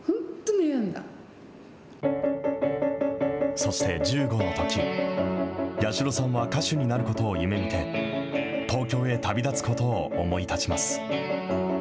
そして１５のとき、八代さんは歌手になることを夢みて、東京へ旅立つことを思い立ちます。